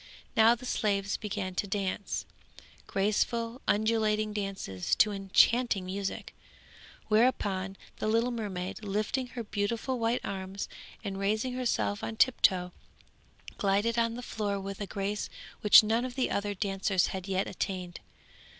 Now the slaves began to dance, graceful undulating dances to enchanting music; thereupon the little mermaid, lifting her beautiful white arms and raising herself on tiptoe, glided on the floor with a grace which none of the other dancers had yet attained.